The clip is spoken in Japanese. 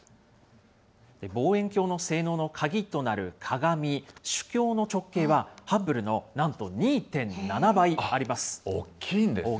望遠鏡の性能の鍵となる鏡、主鏡の直径はハッブルのなんと２．７倍あります。